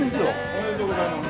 おめでとうございます。